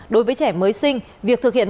đối với trẻ mới sinh việc thực hiện